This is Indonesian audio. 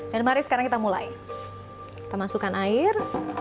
dan mari sekarang kita mulai kita masukkan air